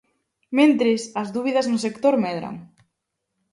Mentres, as dúbidas no sector medran.